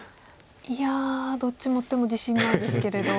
いやどっち持っても自信ないですけれど。